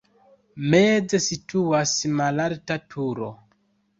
Meze situas malalta turo.